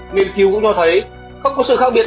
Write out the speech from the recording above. nghiên cứu cũng cho thấy không có sự khác biệt